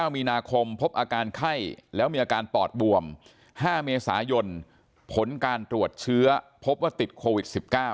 มีนาคมพบอาการไข้แล้วมีอาการปอดบวม๕เมษายนผลการตรวจเชื้อพบว่าติดโควิด๑๙